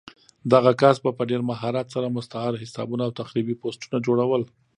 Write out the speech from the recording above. دغه کس به په ډېر مهارت سره مستعار حسابونه او تخریبي پوسټونه جوړول